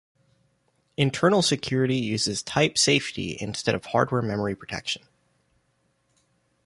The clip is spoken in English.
Internal security uses type safety instead of hardware memory protection.